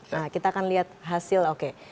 nah kita akan lihat hasil oke